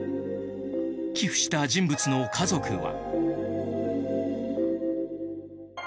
寄付した人物の家族は。